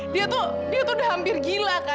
dia tuh dia tuh udah hampir gila kak